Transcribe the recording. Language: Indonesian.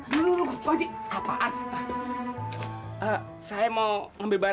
kalau semua pada kabut siapa ngadepin itu pun jahat